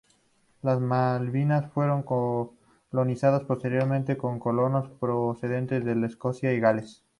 Las Malvinas fueron colonizadas posteriormente por colonos procedentes de Escocia y Gales.